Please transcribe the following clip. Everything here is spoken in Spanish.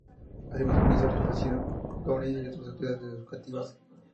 Además organiza exposiciones, conferencias y otras actividades educativas.